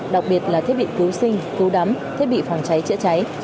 đặc biệt là thiết bị cứu sinh cứu đắm thiết bị phòng cháy chữa cháy